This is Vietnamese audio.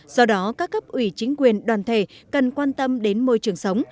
do đó các cấp ủy chính quyền đoàn thể cần quan tâm đến môi trường sống